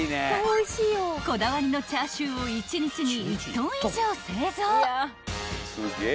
［こだわりのチャーシューを１日に１ｔ以上製造］